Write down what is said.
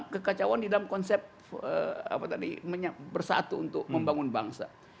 kekacauan di dalam konsep bersatu untuk membangun bangsa